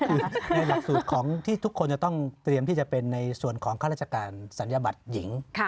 คือในหลักสูตรของที่ทุกคนจะต้องเตรียมที่จะเป็นในส่วนของข้าราชการศัลยบัตรหญิง